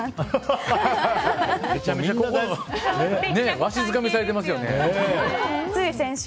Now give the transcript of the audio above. わしづかみにされてますよね。